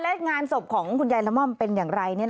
และงานศพของคุณยายละม่อมเป็นอย่างไร